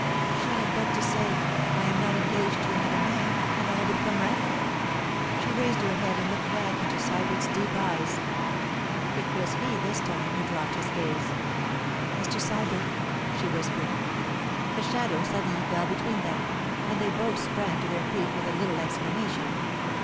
She had but to say, 'I am not engaged to another man,' and all would come right. She raised her head and looked back into Sybert's deep eyes. It was he this time who dropped his gaze. 'Mr. Sybert——' she whispered. A shadow suddenly fell between them, and they both sprang to their feet with a little exclamation.